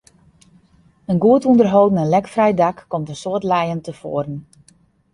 In goed ûnderholden en lekfrij dak komt in soad lijen tefoaren.